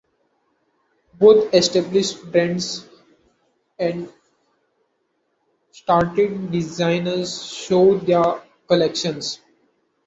Both established brands and starting designers show their collections.